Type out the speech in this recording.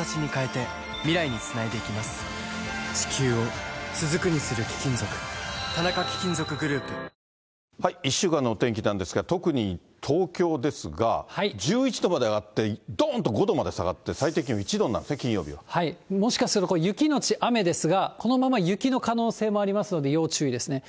さすが“三井のすずちゃん”ちょやめてよ三井不動産１週間のお天気なんですが、特に東京ですが、１１度まで上がって、どんと５度まで下がって、最低気温１度になるんですね、もしかするとこれ、雪後雨ですが、このまま雪の可能性もありますので、要注意ですね。